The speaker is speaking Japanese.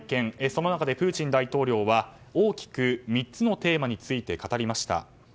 その中でプーチン大統領は大きく３つのテーマについて語りました。